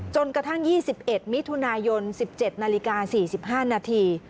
จนกระทั่ง๒๑มิถุนายน๑๗นาฬิกา๔๕นาที